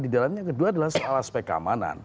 di dalamnya kedua adalah soal aspek keamanan